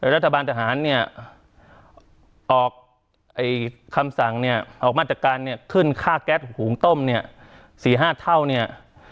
รัฐบาลทหารเนี่ยออกคำสั่งเนี่ยออกมาตรการเนี่ยขึ้นค่าแก๊สหุงต้มเนี่ย๔๕เท่าเนี่ย